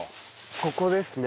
ここですね。